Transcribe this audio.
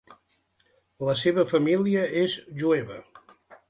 La seva família és jueva.